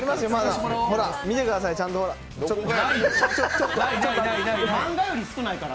見てください、ちゃんとほら。